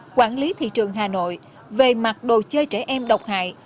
quản lý thị trường hà nội về mặt đồ chơi trẻ em độc hại